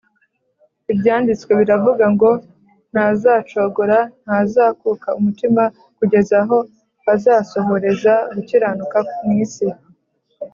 Ibyanditswe biravuga ngo, “Ntazacogora, ntazakuka umutima, kugeza aho azasohoreza gukiranuka mu isi